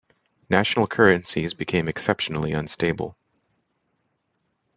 National currencies became exceptionally unstable.